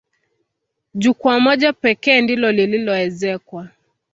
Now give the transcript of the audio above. Jukwaa moja pekee ndilo lililoezekwa.